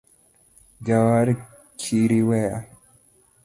Jawar kiri weya